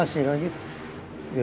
bukan diri asli lagi